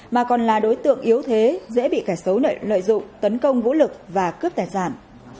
mà còn là đối tượng yếu thế dễ bị kẻ xấu lợi dụng tấn công vũ lực và cướp tài sản